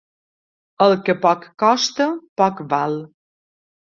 El que poc costa, poc val.